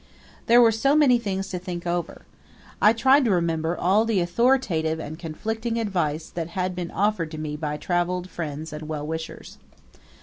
There were so many things to think over. I tried to remember all the authoritative and conflicting advice that had been offered to me by traveled friends and well wishers.